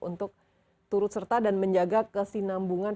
untuk turut serta dan menjaga kesinambungan